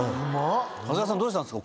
長谷川さんどうしたんですか？